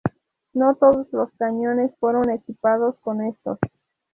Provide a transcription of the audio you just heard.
No todos los cañones fueron equipados con estos.